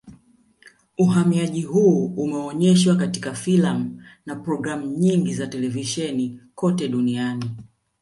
Uhamiaji huu umeonyeshwa katika filamu na programu nyingi za televisheni kote duniani